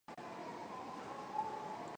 In the event, the Greek plan worked well.